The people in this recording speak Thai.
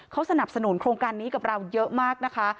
เขาสนับสนุนโครงการนี้กับเราเยอะมากนะคะ